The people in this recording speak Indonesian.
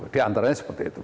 di antaranya seperti itu